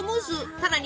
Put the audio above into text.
さらに